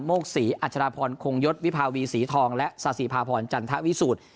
โมกศรีอัชราพรคงยศวิภาวีศรีทองและศาสิภาพรจันทวิสูจน์